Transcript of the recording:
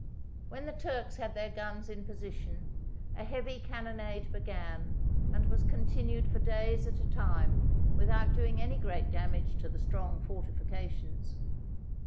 When the Turks had their guns in position, a heavy cannonade began and was continued for days THE SIEGE OF RHODES at a time without doing any great damage to the strong fortifications.